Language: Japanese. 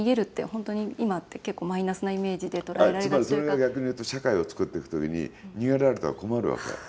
つまり、それが逆に言うと社会を作っていく時に逃げられたら困るわけ。